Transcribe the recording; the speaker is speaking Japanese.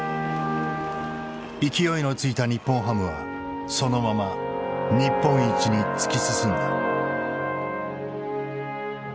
勢いのついた日本ハムはそのまま日本一に突き進んだ。